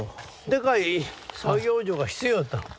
でかい作業所が必要やったの。